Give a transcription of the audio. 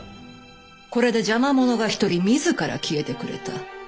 これで邪魔者が一人自ら消えてくれた。